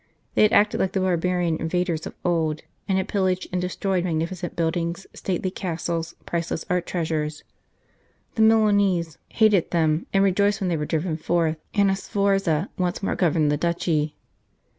They had acted like the barbarian invaders of old, and had pil laged and destroyed magnificent buildings, stately castles, priceless art treasures. The Milanese hated them, and rejoiced when they were driven forth, and a Sforza once more governed the duchy.